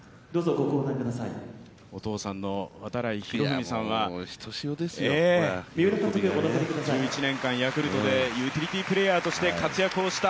お父さんの度会博文さんは１１年間ヤクルトでユーティリティープレーヤーとして活躍した。